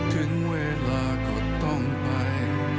ถึงเวลาก็ต้องไป